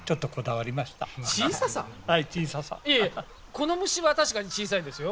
この虫は確かに小さいですよ。